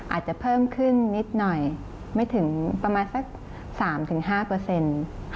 อาจจะเพิ่มขึ้นนิดหน่อยไม่ถึงประมาณสักสามถึงห้าเปอร์เซ็นต์